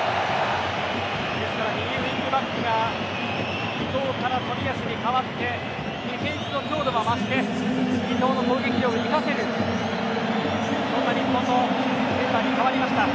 ですから右ウィングバックが伊東から冨安に代わってディフェンスの強度も増して伊東の攻撃力を生かせる日本のメンバーに変わりました。